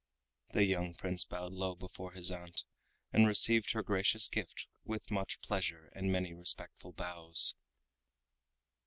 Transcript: The young Prince bowed low before his aunt, and received her gracious gift with much pleasure and many respectful bows.